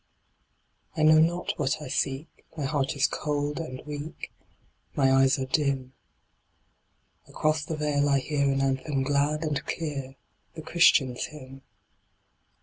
I know not what I seek ; My heart is cold and weak, My eyes are dim : THE LAST DRUID. Across the vale I hear An anthem glad and clear, The Christians' hymn.